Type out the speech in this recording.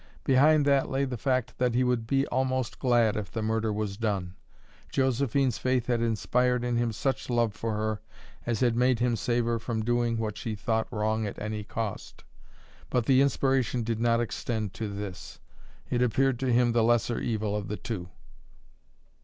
Behind that lay the fact that he would be almost glad if the murder was done. Josephine's faith had inspired in him such love for her as had made him save her from doing what she thought wrong at any cost; but the inspiration did not extend to this. It appeared to him the lesser evil of the two.